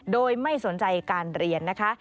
โดยไม่สนใจการเรียนนะคะ